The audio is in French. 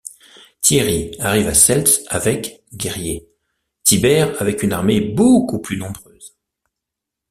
Thierry arrive à Seltz avec guerriers, Thibert avec une armée beaucoup plus nombreuse.